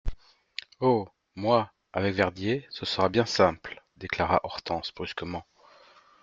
Oh ! moi, avec Verdier, ce sera bien simple, déclara Hortense brusquement.